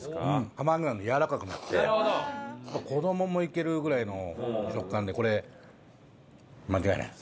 釜揚げなのでやわらかくなって子どももいけるぐらいの食感でこれ間違いない。